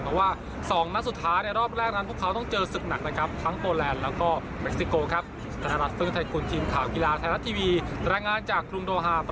เพราะว่ามันคือความมั่นใจที่มีทาง